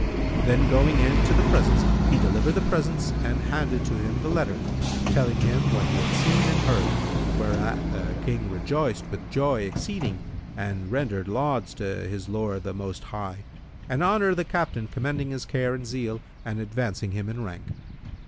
Then going in to the presence, he delivered the presents and handed to him the letter, telling him what he had seen and heard, whereat the King rejoiced with joy exceeding and rendered lauds to his Lord the Most High and honoured the Captain commending his care and zeal and advancing him in rank.